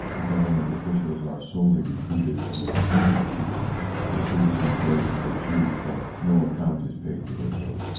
The Government officials are solely recruited from amongst their creatures ;... the citizens vote as they choose, but no account is paid to their votes.